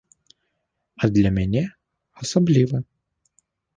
А для мяне асабліва.